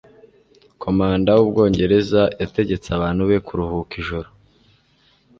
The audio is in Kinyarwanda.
Komanda w'Ubwongereza yategetse abantu be kuruhuka ijoro.